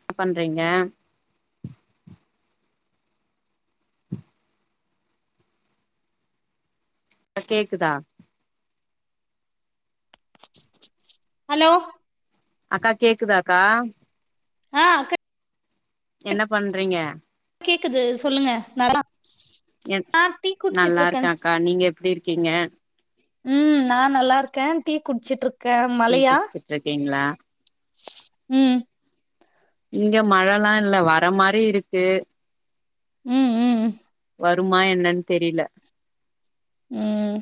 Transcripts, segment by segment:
என்ன பண்றீங்க கேக்குதா ஹலோ அக்கா கேக்குதா கா ஆஹ் அக்க என்ன பண்றீங்க கேக்குது சொல்லுங்க ந எ நான் டீ குடிச்சுட்டு நல்லா இருக்கேன் இருக்கேன்க்கா நீங்க எப்டி இருக்கீங்க உம் நான் நல்லா இருக்கேன் டீ குடிச்சிருக் டீ குடிச்சுட்டு இருக்கீங்களா உம் இங்க மழைல்லாம் இல்ல வர மாரி இருக்கு உம் உம் வருமா என்னன்னு தெரில உம்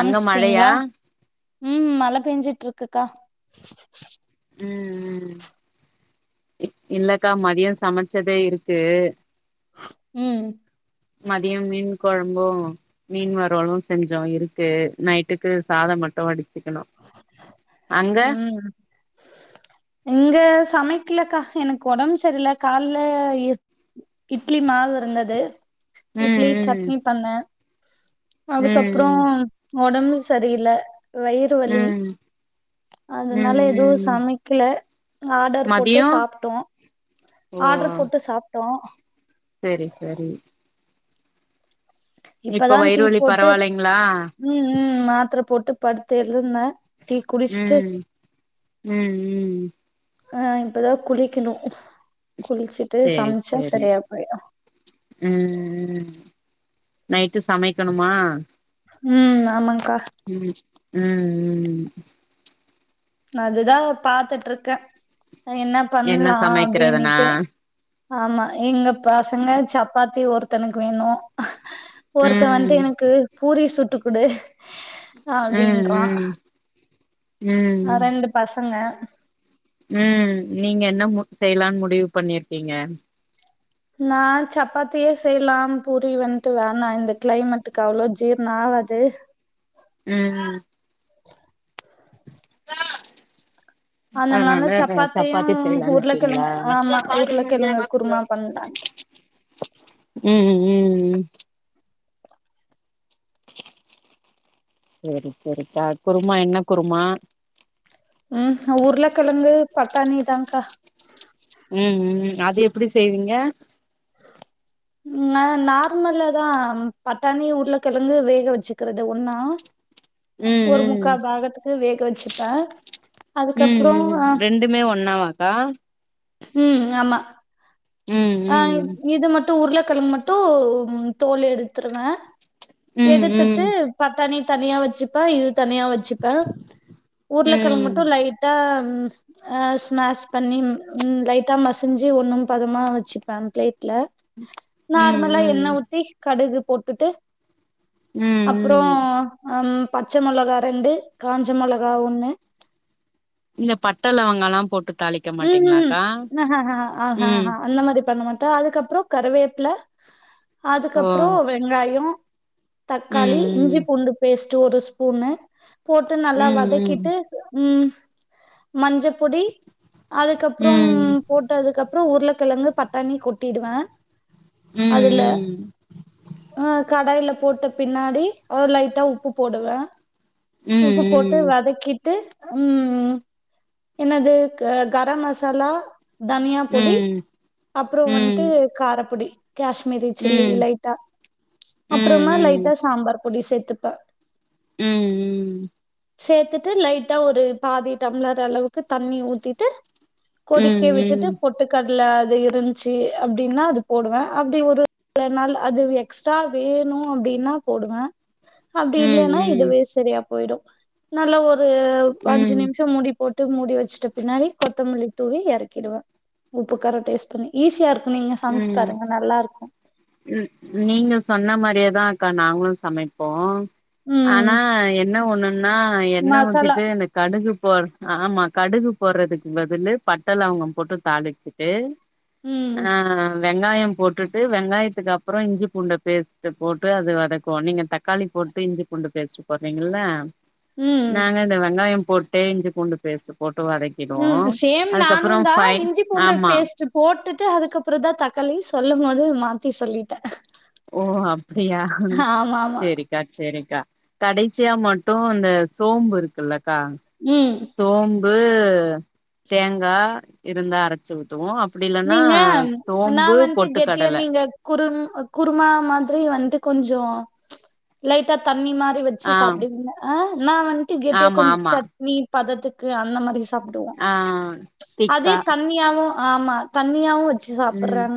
அங்க மழையா உம் மழை பெஞ்சுட்டு இருக்குக்கா உம் உம் இல்லக்கா மதியம் சமைச்சதே இருக்கு உம் மதியம் மீன் குழம்பும் மீன் வறுவலும் செஞ்சோம் இருக்கு நைட்டுக்கு சாதம் மட்டும் வடி உம் இங்க சமை சமைலக்கா எனக்கு உடம்பு சரியல கால்ல இட்லி மாவு இருந்தது இட்லி ம் சட்னி பண்ணன் ம் ம் அதுக்கப்புறம் உடம்பு சரியில்ல வயிறு இடுப்பு வலி ம் ம் ம் அதுனால எதுவும் ம் சமைக்கல ஆடர் போட்டு மதியோ சாப்டோம் ஓ ஆடர் போட்டு சா டோம் செரி சரி இப்பதான் டீ வயிறு வலி போட்டு பரவாயில்லைங்களா ம் ம் மாத்திர போட்டு பஇருந்தக்கிட்இருந்தே உம் உம் உம் ஹ இப்பதான் குளிக்குணும் செரி செரி போயிடு உம் உம் உம் நைட்டு சமைக்கணுமா உம் ஆமாங்க [unintelligible] உம் உம் அதுதான் பாத்துட்டுருக்கே என்ன என்ன பண்ணலாம் சமைக்கிறதுனா அப்டினுட்டு ஆமா எங்க பசங்க சப்பாத்தி ஒருத்தனுக்கு வேணும் ஒருத்தன் ம் வந்துட்டு எனக்கு பூரி சுட்டு ட்டுக்குடு ம் அப்டின்றா ம் ஆ ரெண்டு பசங்க [inaudible] உஹம் நீங்க என்ன ஃப்ட் செய்யலான்னு முடிவு பண்ணிருக்கீங்க நான் சப்பாத்தியே செய்யலாம் பூரி வந்துட்டு வேணாம் இந்த கிளைமேட்டுக்கு அவ்வளவு ஜீர்ண ஆவாது உம் ஹம் [unintelligible] அதனால சப்பாத்தி சப்பாத்தியும் செய்யலான்னு உர்ல இருக்கீங்களா கெழங்கு ஆமா உர்ல கெழங்கு குருமா பண்ணலான்டு உம் செரி செரிக்கா குருமா என்ன குருமா உம் உருளக்கெழங்கு பட்டாணிதாக்கா உம் உம் அது எப்டி செய்வீங்க நா நார்மல்லா தான் பட்டாணி உருளக்கெழங்கு வேக வச்சுக்கிறது ஒன்னா உம் ஒரு உம் முக்கா பாகத்துக்கு வேக வச்சுப்பே உம் அதுக்கப்புறோ உம் ஆ ரெண்டுமே ஒண்ணாவாக்கா ஹம் ஆமா ம் கெழங்க மட்டும் தோல் எடுத்துருவே ம் எடுத்துட்டு ம் பட்டாணி தனியா வச்சுப்பே இது தனியா வச்சுப்பே உருலகெழங்கு ம் மட்டும் லைட்டா உம் ஸமஸ் பண்ணி லைட்டா மசிஞ்சு ஒண்ணும் பதமா வச்சு பாம்ப்ளேட்ல ம் ம் நார்மலா எண்ண ம் ஊத்தி கடுகு போட்டுட்டு. அப்புறோ ம் அஹம். பச்ச மொளகா ரெண்டு காஞ்ச மொளகா ஒண்ணு. இந்த பட்டலவங்க எல்லா போட்டு. தாளிக்க ஹம் உஹம்ம் மாட்டீங்களாக்கா ஆஹஹஹ ம் ஆஹஹஹ அந்த மாரி பண்ண மாட்ட. அதுக்கப்புறோ கறிவேப்ல. ஓ அதுக்கப்புறோ வெங்காயோ. தக்காளி இஞ்சி ம் பூண்டு பேஸ்ட். ட்டு ஒரு ஸ்பூனு. போட்டு ம் நல்லா ம் வதக்கிட்டு உம். மஞ்சப்பொடி. அதுக்கப்புறோம் ம் போட்டதுக்கப். அப்புறோ உருளக்கெழங்கு பட்டாணி கொட்டிடுவ. அதுல ம் ஆஹ கடையிலப். போட்ட பின்னாடி அத லைட்டா உப்பு போடுவ. உப்பு போட்டு ம் வதக்கிட்டு. உம் என்னது. கரம் மசாலா. தன்யா ம் பொடி ம் அப்புறோ ம் வந்துட்டு காரப்பொடி. காஷ்மீரி சில்லி ம் ம் லைட்டா அப்புறமா ம் லைட்டா சாம்பார். பொடி சேத்துப்ப. உம் உம். சேர்த்துட்டு லைட்டா ஒரு பாதி டம்ளர் அளவுக்கு தண்ணி ஊத்தி. ம் கொதிக்க ம் ம் விட்டுட்டு ம் பொட்டுக்கடல. ல அது இருந்துச்சு அப்படின்னா அது போடுவ அப்படி ஒரு சில நாள் அது எக்ஸ்ட்ரா வேணு அப்படின்னா போடுவ. அப்படி ம் இல்லைன்னா ம் இதுவே செரியா போயிடு. நல்ல ஒரு. ஒரு ம் அஞ்சு ம் ம் நிம்ஷோ மூடி. போட்டு மூடி வச்சுட்டு. பின்னாடி கொத்தமல்லி தூவி இறக்கிடுவோ. உப்பு காரோ டேஸ்ட் பண்ணி ஈஸியா இரு. உம் உம் நீங்க சொன்ன மாரியேதா. க்கா நாங்களு சமைப்போ. ம் ஆனா என்ன ஒண்ணு. னா எண்ண மசாலா ஊத்திட்டு இந்த கடுகுப். போர் ஆமா கடுகு போடுறதுக்கு பதிலு பட்டயிலவங்கோ போட்டு தாளிச்சிட்டு ம் ஹாவெங்காயம் போட்டுட்டு வெங்காயத்துகபற இஞ்சி பூண்டு பேஸ்ட் போட்டு அது வதகுவோ நீங்க தக்காளி போட்டு இஞ்சி பூண்டு பேஸ்ட் போட்றிங்கல்ல ம் நாங்க இந்த வெங்காயம் போட்டு இஞ்சு பூண்டு பேஸ்ட் போட் ம் சேம் நானு தா ஃபை இஞ்சி பூண்டு ஆமா பேஸ்ட் போட்டுட்டு அதுக்கப் ப்றதா தக்காளி சொல்லு போதோ மாத்தி சொல்லிடேன் ஹ ஓ அப்டியா ஆமாமா. செரிக்கா செரிக்கா கடச்சியா மட்டு அந்த சோம்புயிருக்குல்ல த்தா ம். சோம்பு ப்பு தேங்கா இருந்தா அரைச்சு ஊத்துவோம் ச் நீங்க நா வந்ட்டு கெட்டியா பொட்டுக்கடல நீங்க குரு குருமா மாத்திரி வன்ட்டு கொஞ்ச ப் ச் லைட்ட தண்ணி மா து வச்சு ஆ சாப்பிடுவிங் ஹஆ நா ஆமா வன்ட்டுகெட்டியாகொஞ்சோ ஆமா சட்னி பதத்துக்கு அந்த மாரி ஸ் தப்பிடுவோம் ஆ அதே திக்கா தண்ணியாவு ஆமா தண்ணியாவு வச் ச்சு சாப்பிறாங்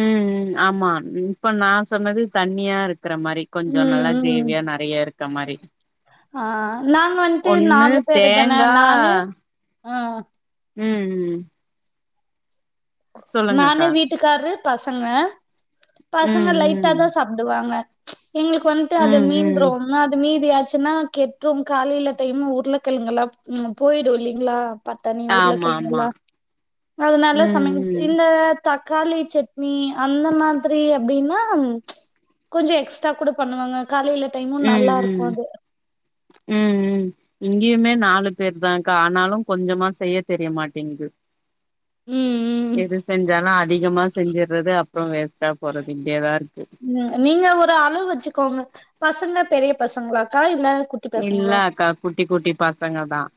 ம்ம் ஆம்மா இப்ப நா சொன்னது தண்ணியா இருக் க்கற மாரி கொஞ்ச ம், நல்லா கிரேவியா நெறைய இருக் தமாரி ஹா நாங்கவன்ட்டு நாலு பேரு தானே தேங்கா நானு ஹா உம் உம் நானு வீட்டுகார்ரு பசங்க ம் பசங்க லைட்டா ம் தா சாப்புடுவாங்க எங்களுகு வன்ட்டு அது ம் ம் மீந்துரோ நா அது மீதி ஆசினா கெட்ரோ காலையில டைம் உருளைக்கிழுங்காலம் ப், ச் போயிடும் இல்லிங்ளா பத்தண்ணி ஆமா ஆமா உருளக்கிழங்ல்லாம் அது நல்லா சமை ம் இல்ல தக்காளி சட்னி அந்த மாதிரி அப்படின்னா கொஞ்சம் எக்ஸ்ட்ரா கூட பண்ணுவாங்க காலையில டைமு உம் நல்லா இருக்கு உம் அது உம் உம் இங்கேயுமே நாலு பேர்தான்க்கா ஆனாலும் கொஞ்சமா செய்ய தெரியமாட்டேங்குது ம் ம் எது செஞ்சாலும் அதிகமா செஞ்சடுறது அப்புறம் வேஸ்டா போறது இப்டியேதான் இருக்கு ம் நீங்க ஒரு அளவு வச்சுக்கோங்க பசங்க பெரிய பசங்களாக்கா இல்ல குட்டி இல்ல பசங்களா அக்கா குட்டி குட்டி பசங்க தான்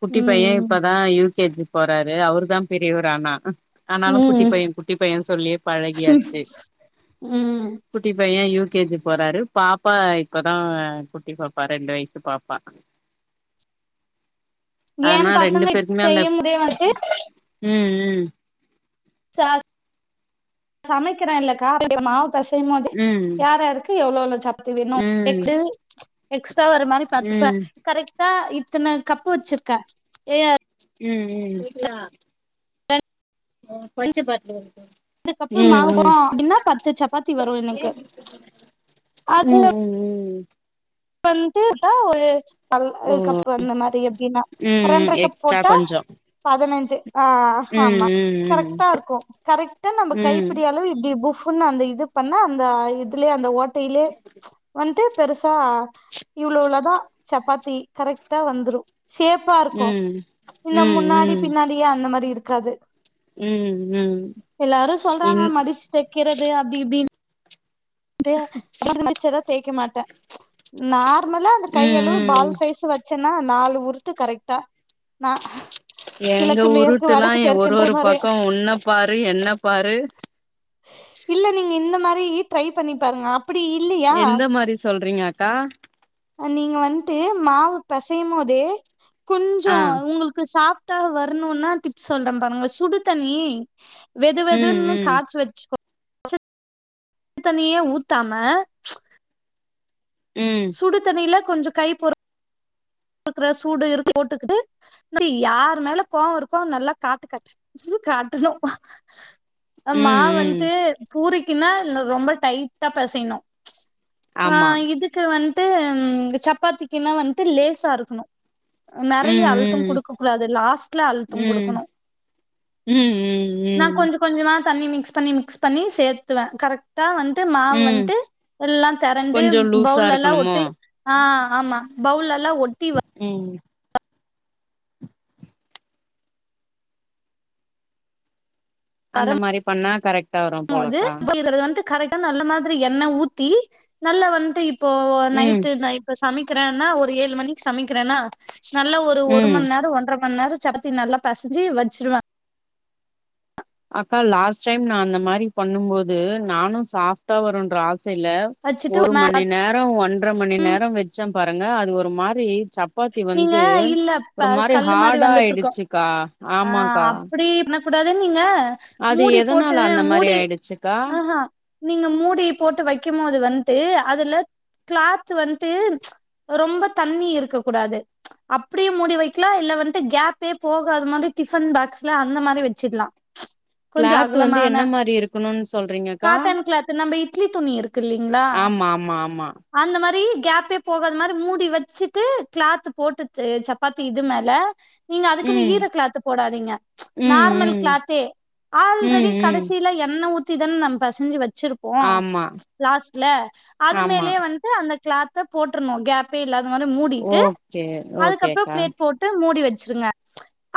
குட்டி பையன் ம் இப்பதான் யூகேஜி போறாரு அவருதான் பெரியவரு ஆனா ஆனாலும் குட்டி ம் பையன் குட்டி பையன் சொல்லியே ம் பழகியாச்சு ம் குட்டி பையன்யூ கேஜி போறாரு பாப்பா இப்பதான் குட்டி பாப்பா ரெண்டு வயசு பாப்பா ஏ அதனா ரெண்டு பசங்க பேருக்குமே அந்த செய்யும்போதே வந்துட்டு உம் உம் ச சமைக்கிறேன் இல்லக்க மா சயும் போது ம் ம் யார் யாருக்கு எவ்வளவு சாப் து வேணு ம் அப்டின்ட்டு ம் எக்ஸ்ட்ரா வர மாரி பாத்துப ம் கரெக்டா அத்தன கப்பு வச்சிருக்க ஏய உம் உம் உம் ரெண்டு கப்பு மாவு உம் போடு அப்டின்னா பத்து சப்பாத்தி உம் வரு எனக்கு உம் உம் வந்து ஒரு ப ஓ கப் அந்த மாரி எப்படின்னா ம் ம் ரெண்டுரை கப் எக்ஸ்ட்ரா போட்டா கொஞ்சோ பதனஞ்சு ஆஹ் ம் ஆமா ம் கரெக்டா இருக்கும் கரெக்டா நம்ம ம் கைப்பிடியளவு இப்படி புஃப் புண்ணு அந்த இது பண்ண அந்த இதுலயே அந்த ஓட்டையிலே வந்துட்டு பெருசா இவ்ளவுளதான் சப்பாத்தி கரெக்டா வந்துரு ஷேப்பா இருக்கும் ம் இன்னும் ம் முன்னாடி ம் ம் பின்னாடியே அந்த மாரி இருக்கும் காது ம் ம் எல்லாரும் இன் சொல்றாங்க மடிச்சு தைக்கிறது அப்படி இப்படின்னு [unintelligible] தேய்க்க மாட்டன் நார்மலா அந்த ம் கையளவு ம் பால் சைஸ் வச்சேன்னா நாலு உருட்டு கரெக்டா நா எங்க கிழக்கு மேற்கு வடக்கு உருட்டுல்லாம் ஒரு தெற்குன்ற ஒரு மாரி பக்கம் உன்ன பாரு என்ன பாரு இப். ட்ரை பண்ணி பாருங்க அப். எந்த மாரி சொல்றீங்க. க்கா. நீங்க வந்துட்டு மாவு பசையும் போதே. கொஞ்சோ ஆ உங்களுக்கு சாப். டா வரணும்னா டிப்ஸ் சொல்ற பாருங்க சுடுதண்ணி. வெது ம் வெதுன்னு ம் காச்சு வச்சுக்கோ. பச்சத்தண்ணியே ஊத்தாம ம்ச். ம் சுடு தண்ணியில. கொஞ்சோ கைபொருக். க்குற சூடு இரு போட்டுக்கிட்டு யாரு மேல கோவோ இருக்கோ நல்லா காட்டு காட்டு காட்டணு. ம் மாவு ம் வந்துட்டு பூரி. கின்னா ரொம்ப டைட்டா பெசயணு. ம்ச் ஆஹா ஆமா இதுக்கு வந். ன்டு சப்பாத்திக்குன்னா வந்துட்டு லேஸ். சா இருக்கணு. நெறைய ம் அழுத்தம் ம் கொடுக்க கூடாது லாஸ்ட்ல அழுத்தம் ம் கொடுக்கணு. ம் ம் நா ம் கொஞ்சோ கொஞ்சமா. தண்ணி மிக்ஸ் பண்ணி மிக்ஸ் பண்ணி சேத்துவ கரெக்டா வந். துட்டு மாவு ம் வந்துட்டு எல்லா திறந்து கொஞ்சோ லூஸா பவுல்லா இருக்கணுமோ ஒட்டு ஆஹ ஆமா பவுல்லா ஒட். திவ. உம். அந்த வரம்போது மாரி பண்ணா கரெக்ட்டா வரு போலக்கா. வந்துட்டு கரெக்டா நல்ல மாதிரி எண்ண ஊத்தி நல்லா வந்துட்டு இப். இப்போ ம் நைட்டு இப்ப சமிக். க்கிறனா ஒரு ஏழு மணிக்கு சமைக்கிறனா. நல்லா ஒரு ம் மணி நேரோ ஒன்ற. மணி நேரோ சப்பாத்தி நல்லா பசஞ்சு வச்சிருவ. அக்கா லாஸ்ட் டைம் நா அந்த மாரி பண்ணும் போது நானும் சாஃப்டா வரும்ன்ற ஆ. சில வச்சுட்டு ஒரு மே மணி நேரோ ஒன்ற மணி நேரோ வச்சம். பாருங்க அது ஒரு மாரி. சப்பாத்தி நீங்க வந்து இல்ல ப ஒரு ம்ச் மாரி கல்லு ஹாடா வந்துட்ருக்கு ஆயிடுச்சுக்கா ஆமாக்கா. கூடாது நீங்க. அது மூடி எதனால போட்டு அந்த மாரி மூடி ஆயிடுச்சுக்கா ஆஹஹா நீங்க மூடி போட்டு வைக்கும்போது வந்து அதுல. கிளாத் வந்து ரொம்ப ம்ச் தண்ணி இருக்கு. கூடாது அப்படியே மூடி வைக்கலாம் இல்ல வந்துட்டு கேப்பே போகாத மாரி டிபன் பாக்ஸ்ல அந்த மாரி வச்சிடலாம் கொஞ்சம் கிளாத் வந்து அகலமான என்ன மாரி இருக்கணுன் சொல்றீங்கக்கா காட்டன் கிளாத் நம இட்லி துணி இருக்கு இல்லீங்களா ஆமா ஆமா ஆமா அந்த மாரி கேப்பே போகத மாரி மூடி வச்சிட்டு கிளாத்து போட்டுட்டு சப்பாத்தி இது மேல நீங்க அதுக்குன்னு ம் ஈர கிளாத் போடாதீங்க ம் நார்மல் ம் கிளாத்தே ஆல்ரெடி ம் ம் கடைசில என்ன தி தான் நம் பெசஞ்சு வச் வச்சிருப்போம் ஆமா லாஸ்ட்ல அது ஆமா மேலயே வந்துட்டு அந்த கிளாத்த போட்டரனும் கேப்பே இல்லாத மாரி மூடி ட்டு ஓகே அதுக்கப்புறம் ஓகேக்கா பிளேட் போட்டு மூடி வச்சு சுருங்க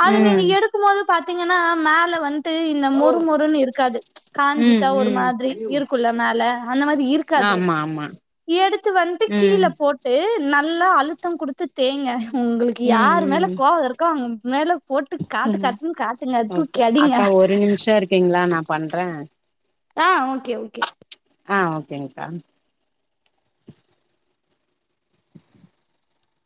அது நீங்க ம் எடுக்கும்போது பாத்தீங்கன்னா மேல வந் ட்டு இந்த மொறு மொறுன்னு இருக்காது ம் காஞ்சிட்டா ஒரு ம் மாதிரி இருக்குல்ல மேல அந்த மாரி இருக்காது ஆமா ஆமா எடுத்து வன்ட்டு ம் கீழே போட்டு ந ல்லாம் அழு தேங்க உங்களுக்கு ம் யாரு மேல ம் கோவம் இருக்கோ அவங்க மேல போட்டு காட்டு ம் காட்டுன்னு காட்டுங்க ஓகே தூக்கியடிங்க அக்கா ஒரு நிமிஷோ இருக்கீங்களா நா பண்றே ஆஹ் ஓகே ஓகே ஆஹ் ஓகேங்கா